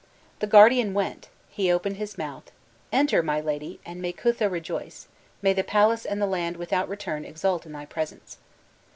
'" The guardian went, he opened his mouth: 'Enter, my lady, and may Kutha rejoice may the palace and the land without return exult in thy presence!